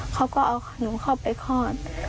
เขาก็เอาหนูเข้าไปคลอด